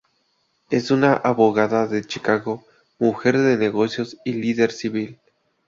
Es una abogada de Chicago, mujer de negocios y líder civil.